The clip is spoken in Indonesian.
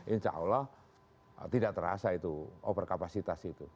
insya allah tidak terasa itu overkapasitas itu